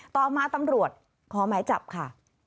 ต่อมาตำรวจขอหมายจับค่ะ